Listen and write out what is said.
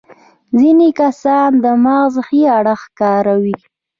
ځينې کسان د مغز ښي اړخ کاروي.